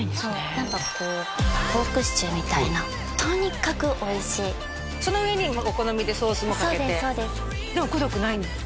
何かこうポークシチューみたいなとにかくおいしいその上にお好みでソースもかけてそうですそうですでもくどくないんですよね